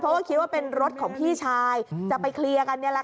เพราะว่าคิดว่าเป็นรถของพี่ชายจะไปเคลียร์กัน